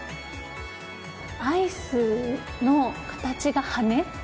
アイスの形が羽。